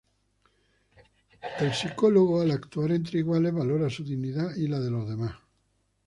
El Psicólogo al actuar entre iguales valora su dignidad y la de los demás.